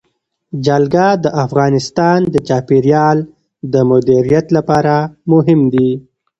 جلګه د افغانستان د چاپیریال د مدیریت لپاره مهم دي.